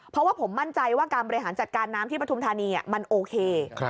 เพราะว่าผมมั่นใจว่าการบริหารจัดการน้ำที่ปฐุมธานีมันโอเค